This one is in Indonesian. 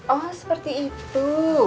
oh seperti itu